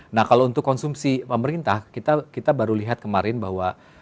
nah kalau untuk konsumsi pemerintah kita baru lihat kemarin bahwa